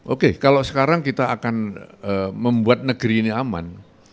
oke kalau sekarang kita akan membuat negeri ini aman